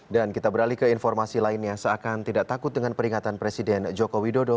dan kita beralih ke informasi lainnya seakan tidak takut dengan peringatan presiden joko widodo